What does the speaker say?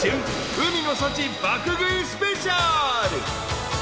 ［海の幸爆食いスペシャル］